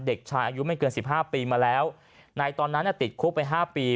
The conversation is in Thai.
เด็กชายอายุไม่เกิน๑๕ปีมาแล้วนายตอนนั้นน่ะติดคุกไป๕ปี